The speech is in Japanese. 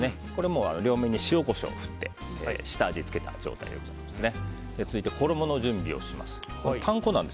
両面に塩、コショウを振って下味をつけた状態です。